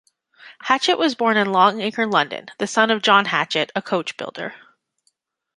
Hatchett was born in Long Acre, London the son of John Hatchett, a coach-builder.